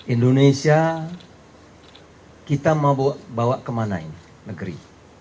indonesia kita mau bawa ke mana ini negeri